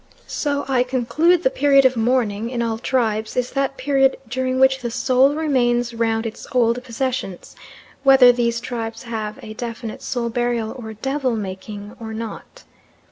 So I conclude the period of mourning, in all tribes, is that period during which the soul remains round its old possessions, whether these tribes have a definite soul burial or devil making or not.